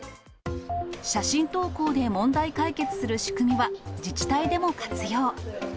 写真投稿で問題解決する仕組みは、自治体でも活用。